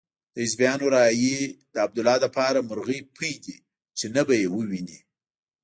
د حزبیانو رایې د عبدالله لپاره مرغۍ پۍ دي چې نه به يې وویني.